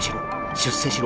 出世しろ！